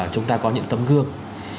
chúng ta có những tấm gương